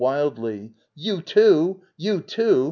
[Wildly.] You, too! You, too